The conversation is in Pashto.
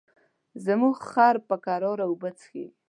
زموږ خر په کراره اوبه څښي.